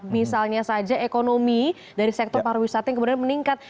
misalnya saja ekonomi dari sektor pariwisata yang kemudian meningkat